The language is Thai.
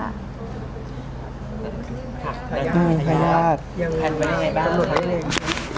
นะคะถ่ายทาง